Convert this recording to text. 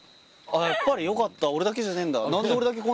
やっぱりよかった俺だけじゃねえんだ